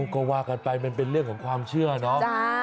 ก็ว่ากันไปมันเป็นเรื่องของความเชื่อเนาะ